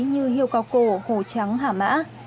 như hiêu cao cổ hồ trắng hả mã